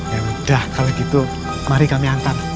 ya udah kalau gitu mari kami antar